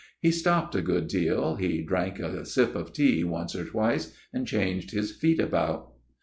He stopped a good deal, he drank a sip of tea once or twice, and changed his feet about.